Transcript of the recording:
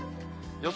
予想